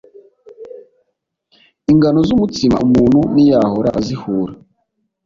ingano z umutsima umuntu ntiyahora azihura